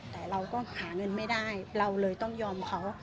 แต่เราก็หาเงินไม่ได้เราเลยต้องยอมเขา